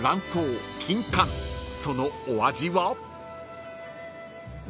［そのお味は？］